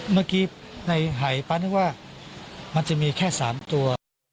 เมื่อกี้ในหายป๊านึกว่ามันจะมีแค่๓ตัว